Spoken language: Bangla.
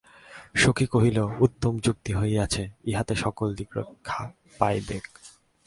সখী কহিল উত্তম যুক্তি হইয়াছে ইহাতে সকল দিক রক্ষা পাইবেক।